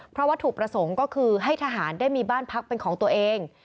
เพราะวัตถุประสงค์ก็คือให้ทหารได้มีบ้านพักเป็นของตัวเอง